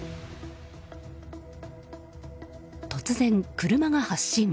突然車が発進。